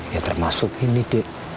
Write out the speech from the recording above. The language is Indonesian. ya termasuk ini dek